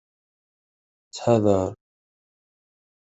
Ttḥadar.